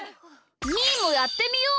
みーもやってみよう！